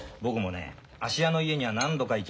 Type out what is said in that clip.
芦屋の家には何度か行きましたけど